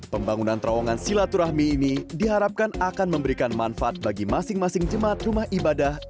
pembangunan terowongan silaturahmi ini diharapkan akan memberikan manfaat bagi masing masing jemaat rumah ibadah